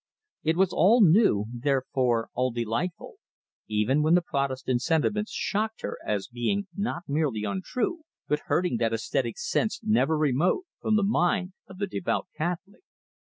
It was all new, therefore all delightful, even when the Protestant sentiments shocked her as being not merely untrue, but hurting that aesthetic sense never remote from the mind of the devout Catholic.